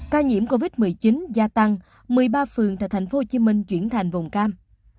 ca nhiễm covid một mươi chín gia tăng một mươi ba phường tại tp hcm chuyển thành vùng cam